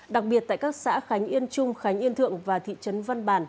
đặc biệt tại các xã khánh yên trung khánh yên thượng và thị trấn văn bản